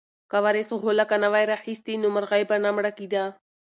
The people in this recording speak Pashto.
که وارث غولکه نه وای راخیستې نو مرغۍ به نه مړه کېده.